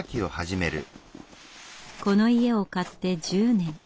この家を買って１０年。